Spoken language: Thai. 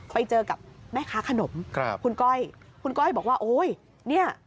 ไปเจอกับแม่ค้าขนมครับคุณก้อยคุณก้อยบอกว่าโอ้ยเนี่ย